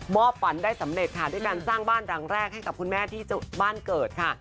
ฝันได้สำเร็จค่ะด้วยการสร้างบ้านหลังแรกให้กับคุณแม่ที่บ้านเกิดค่ะ